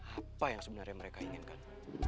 apa yang sebenarnya mereka inginkan